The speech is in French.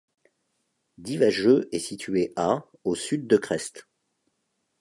Divajeu est situé à au sud de Crest.